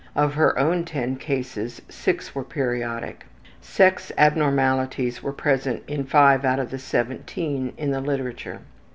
Of her own 10 cases, 6 were periodic. Sex abnormalities were present in 5 out of the 17 in the literature.